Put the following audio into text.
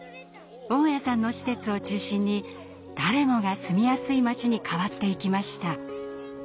雄谷さんの施設を中心に誰もが住みやすい町に変わっていきました。